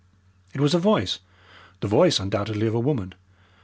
It was a voice the voice undoubtedly of a woman.